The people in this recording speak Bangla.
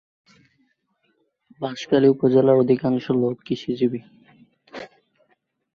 বাঁশখালী উপজেলার অধিকাংশ লোক কৃষিজীবী।